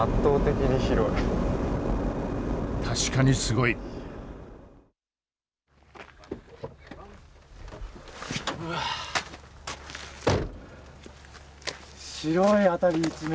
確かにすごい。うわ白い辺り一面！